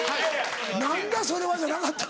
「何だそれは！」じゃなかった？